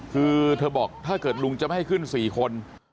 คือเธอบอกถ้าเกิดลุงจะไม่ให้ขึ้น๔คน